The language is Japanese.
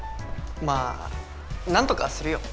まあなんとかするよ。